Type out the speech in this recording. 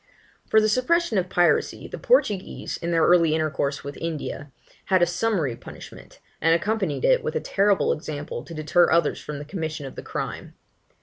For the suppression of piracy, the Portuguese, in their early intercourse with India, had a summary punishment, and accompanied it with a terrible example to deter others from the commission of the crime.